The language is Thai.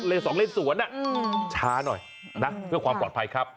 สองเลนสวนช้าหน่อยนะเพื่อความปลอดภัยครับ